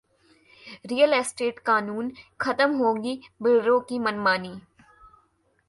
real estate कानूनः खत्म होगी बिल्डरों की मनमानी